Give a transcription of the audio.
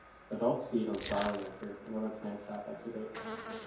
Adults feed on flower nectar and other plant sap exudates.